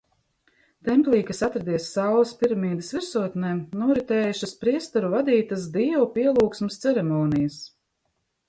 Templī, kas atradies Saules piramīdas virsotnē, noritējušas priesteru vadītas dievu pielūgsmes ceremonijas.